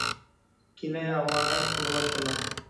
কিনাই আমায় ভালোবাসে, বাসে না।